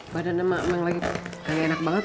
badan emang lagi kayak enak banget